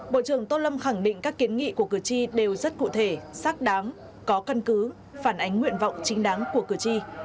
bộ trưởng tô lâm khẳng định các kiến nghị của cử tri đều rất cụ thể xác đáng có căn cứ phản ánh nguyện vọng chính đáng của cử tri